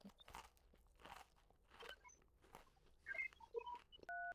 viazi lishe huliwa kama mboga